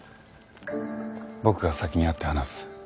僕が先に会って話す。